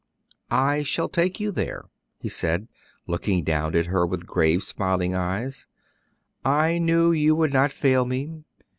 "I shall take you there," he said, looking down at her with grave, smiling eyes; "I knew you would not fail me.